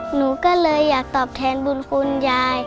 หนูก็เลยอยากตอบแทนบุญคุณยาย